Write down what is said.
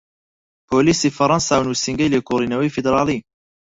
پۆلیسی فەرەنسا و نوسینگەی لێکۆڵینەوەی فیدراڵی